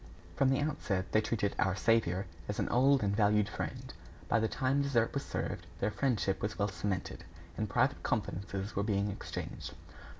From the outset, they treated "our saviour" as an old and valued friend. By the time dessert was served, their friendship was well cemented, and private confidences were being exchanged.